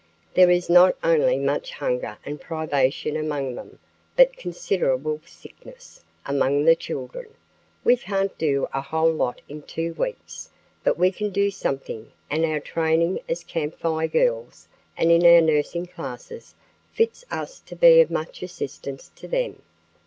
There is not only much hunger and privation among them, but considerable sickness among the children. We can't do a whole lot in two weeks, but we can do something, and our training as Camp Fire Girls and in our nursing classes fits us to be of much assistance to them.